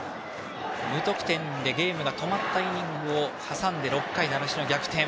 無得点でゲームが止まったイニングを挟んで６回、習志野逆転。